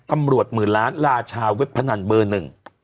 หมื่นล้านราชาเว็บพนันเบอร์หนึ่ง